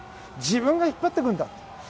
自分が引っ張っていくんだ。